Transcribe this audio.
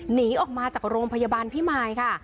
หนีออกมาจากโรงพยาบาลพิมายค่ะ